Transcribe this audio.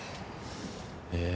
ええ？